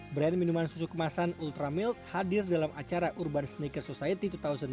brand minuman susu kemasan ultramilk hadir dalam acara urban sneaker society dua ribu delapan belas